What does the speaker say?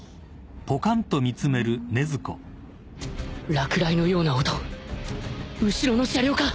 落雷のような音後ろの車両か！？